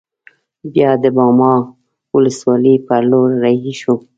بیا د باما ولسوالۍ پر لور رهي شوو.